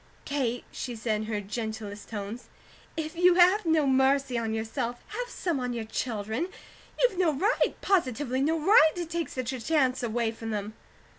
"Kate," she said in her gentlest tones, "if you have no mercy on yourself, have some on your children. You've no right, positively no right, to take such a chance away from them."